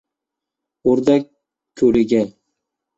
O'rdak - ko'liga.